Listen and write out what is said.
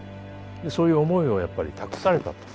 そういう思いをやっぱり託されたと。